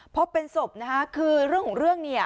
พบเป็นศพนะคะคือเรื่องของเรื่องเนี่ย